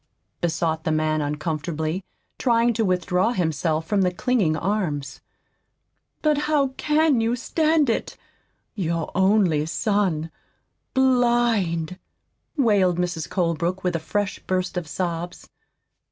besought the man uncomfortably, trying to withdraw himself from the clinging arms. "But how CAN you stand it! your only son blind!" wailed Mrs. Colebrook, with a fresh burst of sobs.